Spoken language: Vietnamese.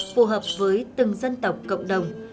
phù hợp với từng dân tộc cộng đồng